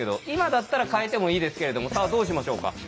今だったら変えてもいいですけれどもさあどうしましょうか。